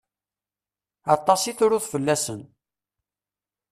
Aṭas i truḍ fell-asen.